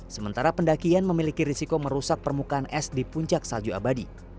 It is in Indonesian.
sementara pendakian memiliki risiko merusak permukaan es di puncak salju abadi